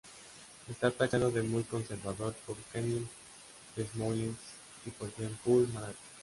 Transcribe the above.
Es tachado de muy conservador por Camille Desmoulins y por Jean-Paul Marat.